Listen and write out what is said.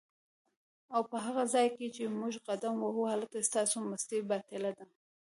اوپه هغه ځای کی چی موږ قدم وهو هلته ستاسو مستی باطیله ده